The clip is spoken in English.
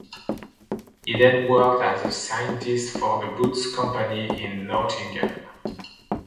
He then worked as a scientist for the Boots Company in Nottingham.